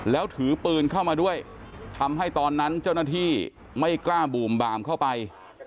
แล้วถือปืนเข้ามาด้วยทำให้ตอนนั้นเจ้าหน้าที่ไม่กล้าบูมบามเข้าไป